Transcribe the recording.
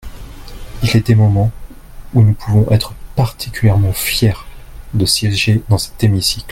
Il est des moments où nous pouvons être particulièrement fiers de siéger dans cet hémicycle.